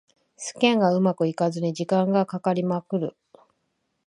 スキャンがうまくいかずに時間がかかりまくる